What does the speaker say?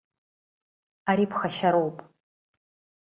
Ари ԥхашьароуп!